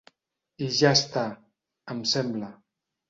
I ja està, em sembla.